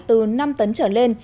từ năm tấn trở lên